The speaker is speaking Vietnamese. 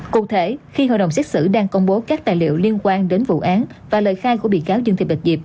cụ thể khi hội đồng xét xử đang công bố các tài liệu liên quan đến vụ án và lời khai của bị cáo dương thị bạch diệp